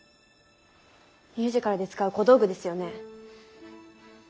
ミュージカルで使う小道具ですよね？